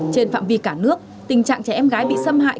trên phạm vi cả nước tình trạng trẻ em gái bị xâm hại